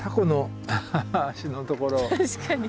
確かに。